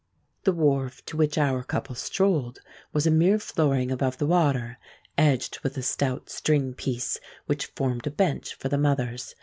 The wharf to which our couple strolled was a mere flooring above the water, edged with a stout string piece, which formed a bench for the mothers.